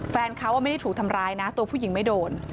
แฟนเขาไม่ได้ถูกทำร้ายนะตัวผู้หญิงไม่โดน